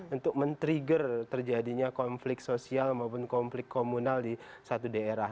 untuk men trigger terjadinya konflik sosial maupun konflik komunal di satu daerah